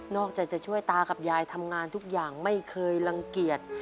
นอกจะช่วยตากับยายทำงานทุกอย่างรั้งเกียจ